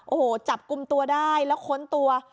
โอ้โหจับกลุ่มตัวได้แล้วค้นตัว